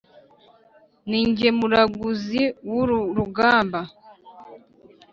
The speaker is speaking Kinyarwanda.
ninjye muraguzi wuru rugamba"